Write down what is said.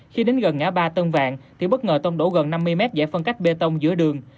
khi đến gần ngã ba tân vàng thì bất ngờ tông đổ gần năm mươi mét giải phân cách bê tông giữa đường